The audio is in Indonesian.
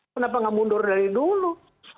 kenapa nggak mundur dari dulu